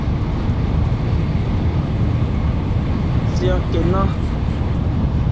Se nkɛ nnɛn.